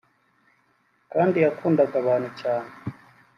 kandi yakundaga abantu cyane